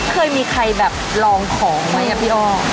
เคยมีใครแบบลองของไหมครับพี่อ้อ